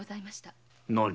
何？